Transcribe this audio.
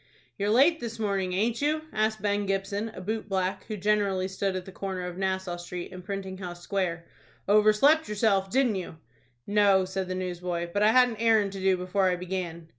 "You're late this morning, aint you?" asked Ben Gibson, a boot black, who generally stood at the corner of Nassau Street and Printing House Square. "Overslept yourself, didn't you?" "No," said the newsboy; "but I had an errand to do before I began."